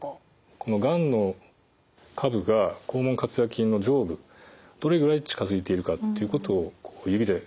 このがんの株が肛門括約筋の上部どれぐらい近づいているかっていうことを指で確認するんですね。